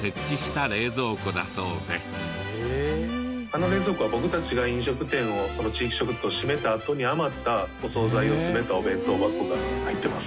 あの冷蔵庫は僕たちが飲食店を地域食堂を閉めたあとに余ったお総菜を詰めたお弁当箱が入ってます。